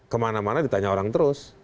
kemana mana ditanya orang terus